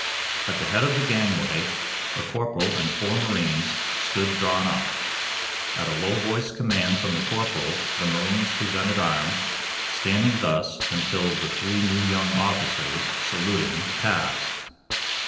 At the head of the gangway a corporal and four marines stood drawn up. At a low voiced command from the corporal the marines presented arms, standing thus until the three new young officers, saluting, passed.